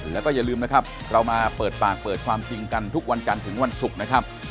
แล้วก็อย่าลืมนะครับเรามาเปิดปากเปิดความจริงกันทุกวันจันทร์ถึงวันศุกร์นะครับ